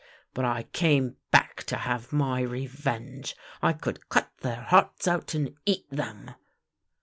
But I came back to have my revenge. I could cut their hearts out and eat them."